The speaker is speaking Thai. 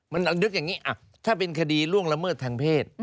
มันนึกอย่างนี้ถ้าเป็นคดีล่วงละเมิดทางเพศ